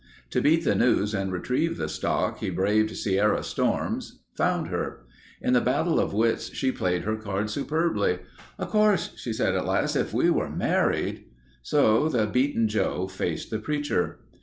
To beat the news and retrieve the stock, he braved Sierra storms, found her. In the battle of wits she played her cards superbly. "Of course," she said at last, "... if we were married...." So the beaten Joe faced the preacher.